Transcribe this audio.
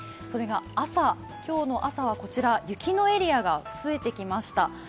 それが朝、今日の朝は雪のエリアが増えてきました。